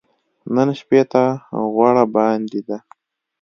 نن شپې ته غوړه باندې ده .